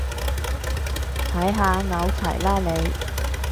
睇下，拗柴喇你